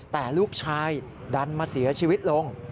แต่ลูกชายดันมาเสียชีวิตลง